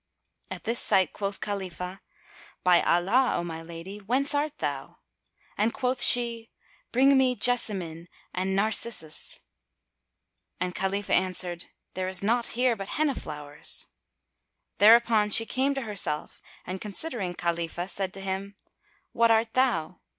At this sight quoth Khalifah, "By Allah, O my lady, whence art thou?"; and quoth she, "Bring me Jessamine, and Narcissus." [FN#245] and Khalifah answered, "There is naught here but Henna flowers." [FN#246] thereupon she came to herself and considering Khalifah, said to him, "What art thou?"